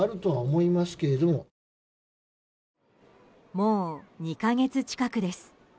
もう２か月近くです。